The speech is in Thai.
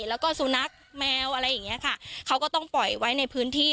แล้วก็สุนัขแมวอะไรอย่างเงี้ยค่ะเขาก็ต้องปล่อยไว้ในพื้นที่